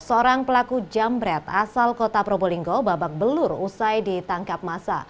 seorang pelaku jambret asal kota probolinggo babak belur usai ditangkap masa